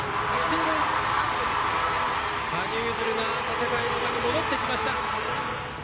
羽生結弦が戦いの場に戻ってきました。